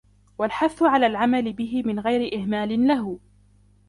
وَالْحَثُّ عَلَى الْعَمَلِ بِهِ مِنْ غَيْرِ إهْمَالٍ لَهُ